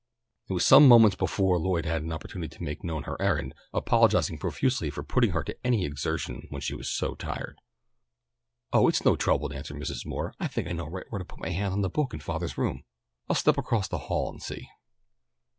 It was some moments before Lloyd had an opportunity to make known her errand, apologizing profusely for putting her to any exertion when she was so tired. "Oh, it's no trouble," answered Mrs. Moore. "I think I know right where to put my hand on the book in father's room. I'll step across the hall and see."